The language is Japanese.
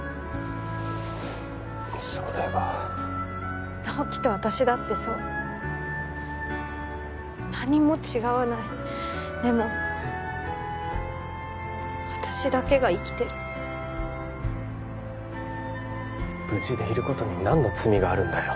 それは直木と私だってそう何も違わないでも私だけが生きてる無事でいることに何の罪があるんだよ？